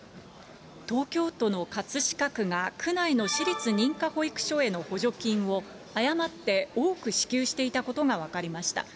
東京都の葛飾区が区内の私立認可保育所への補助金を誤って多く支給していたことが分かりました。